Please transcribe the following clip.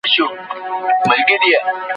د پوهاند نظریات د ټولنیز علومو په رڼا کې مهم دي.